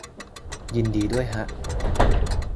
ยินดีด้วยฮะ